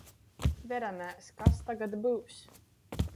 Veramēs, kas tagad byus.